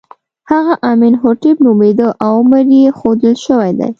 هغه امین هوټېپ نومېده او عمر یې ښودل شوی دی.